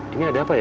ini ada apa ya